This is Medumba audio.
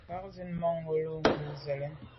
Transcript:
Mba zit manwù lo ghù se lèn.